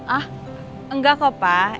ah enggak kok pak